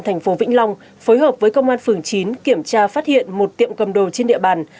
thành phố vĩnh long phối hợp với công an phường chín kiểm tra phát hiện một tiệm cầm đồ trên địa bàn